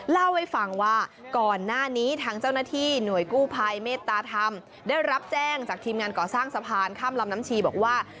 เล่าให้ฟังว่าก่อนหน้านี้ทางเจ้าหน้าที่หน่วยกู้ภัยเมตตาธรรมได้รับแจ้งจากทีมงานก่อสร้างสะพานข้ามลำน้ำชีบอกว่า